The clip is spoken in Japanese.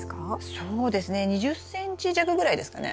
そうですね２０ｃｍ弱ぐらいですかね。